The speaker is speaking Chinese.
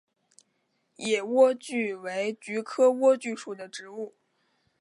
野莴苣为菊科莴苣属的植物。